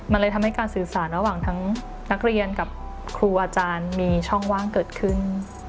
มันเลยทำให้การสื่อสารระหว่างทั้งนักเรียนกับครูอาจารย์มีช่องว่างเกิดขึ้น